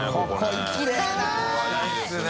海海いいですね。